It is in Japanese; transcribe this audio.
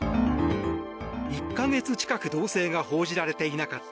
１か月近く動静が報じられていなかった